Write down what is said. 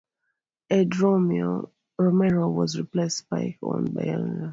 Ed Romero, who replaced Spike Owen at shortstop, was retired on a foul pop.